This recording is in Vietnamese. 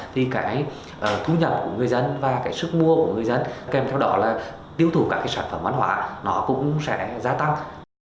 thì cái thu nhập của người dân và cái sức mua của người dân kèm theo đó là tiêu thụ các cái sản phẩm văn hóa nó cũng sẽ gia tăng